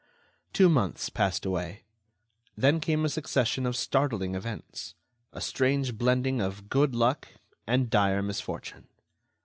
Two months passed away. Then came a succession of startling events, a strange blending of good luck and dire misfortune!